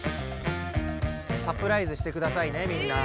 サプライズしてくださいねみんな。